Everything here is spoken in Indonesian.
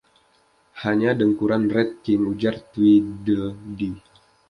"Hanya dengkuran Red King," ujar Tweedledee.